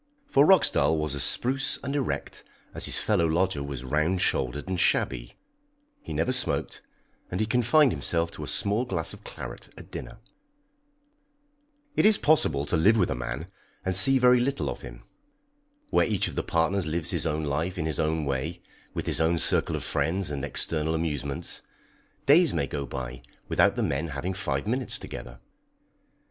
For Roxdal was as spruce and erect as his fellow lodger was round shouldered and shabby; he never smoked, and he confined himself to a small glass of claret at dinner. [Illustration: TOM PETERS.] [Illustration: EVERARD G. ROXDAL.] It is possible to live with a man and see very little of him. Where each of the partners lives his own life in his own way, with his own circle of friends and external amusements, days may go by without the men having five minutes together.